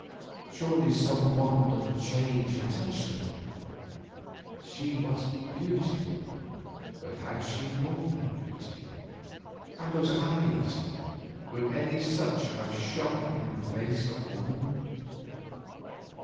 Surely some wand of change had touched her. She was beautiful, but had she worn that beauty? And those eyes! Could any such have shone in the face of woman?